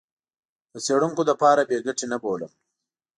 د څېړونکو لپاره بې ګټې نه بولم.